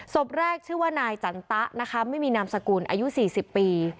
ศพแรกชื่อว่านายจันตะนะคะไม่มีนามสกุลอายุ๔๐ปี